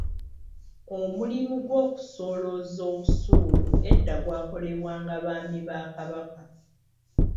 Omulimu gw'okusolooza obusuulu edda gwakolebwanga Baami ba Kabaka.